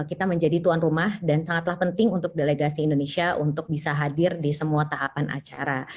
kita menjadi tuan rumah dan sangatlah penting untuk delegasi indonesia untuk bisa hadir di semua tahapan acara